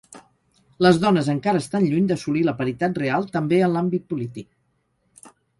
Les dones encara estan lluny d’assolir la paritat real també en l'àmbit polític.